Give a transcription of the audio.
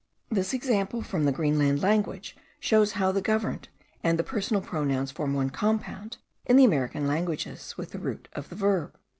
This example from the Greenland language shows how the governed and the personal pronouns form one compound, in the American languages, with the root of the verb.